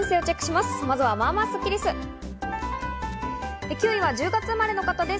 まずは、まあまあスッキりす。